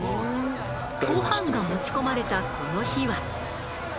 ゴハンが持ち込まれたこの日は。